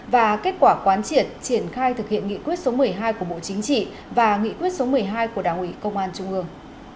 và kết quả quán triệt triển khai thực hiện nghị quyết số một mươi hai của bộ chính trị và nghị quyết số một mươi hai của đảng ủy công an trung ương